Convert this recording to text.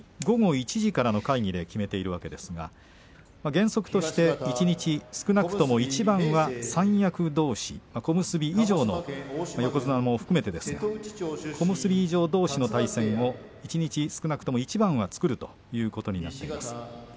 午後１時からの会議で決めているわけですが原則として一日少なくとも一番は三役どうし小結以上の横綱も含めてですが小結以上どうしの対戦を一日少なくとも一番は作るということになっています。